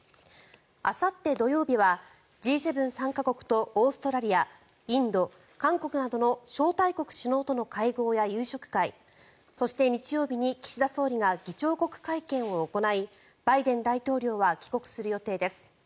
あさって、土曜日はＧ７参加国とオーストラリアインド、韓国などの招待国首脳との会合や夕食会そして、日曜日に岸田総理が議長国会見を行いバイデン大統領は帰国する予定です。